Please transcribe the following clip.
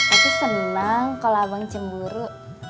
aku senang kalau abang cemburu